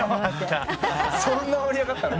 そんな盛り上がったの？